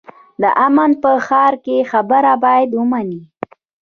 د امن په ښار کې خبره باید ومنې.